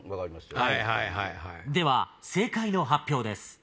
では正解の発表です。